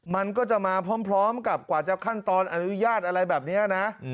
มันก็จะมาพร้อมกับกว่าจะขั้นตอนอนุญาตอะไรแบบนี้นะ